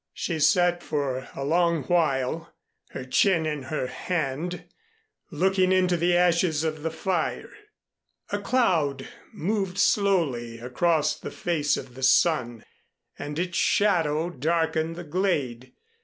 She sat for a long while, her chin in her hand, looking into the ashes of the fire. A cloud moved slowly across the face of the sun, and its shadow darkened the glade.